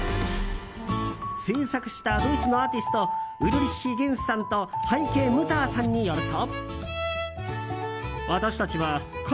制作したドイツのアーティストウルリッヒ・ゲンスさんとハイケ・ムターさんによると。